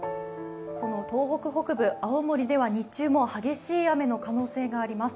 東北北部、青森では日中も激しい雨の可能性があります。